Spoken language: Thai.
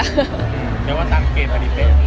หมายความว่าต่างเกณฑ์อันนี้เป็นไหม